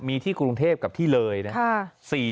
มีที่กรุงเทพกับที่เลยนะครับ